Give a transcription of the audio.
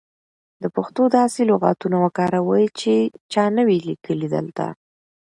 د پښتو داسې لغاتونه وکاروئ سی چا نه وې لیکلي دلته.